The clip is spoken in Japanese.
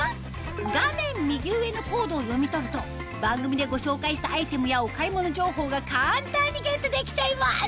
画面右上のコードを読み取ると番組でご紹介したアイテムやお買い物情報が簡単にゲットできちゃいます